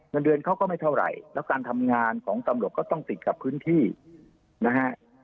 เงินเดือนเขาก็ไม่เท่าไหร่แล้วการทำงานของตำรวจก็ต้องติดกับพื้นที่นะฮะ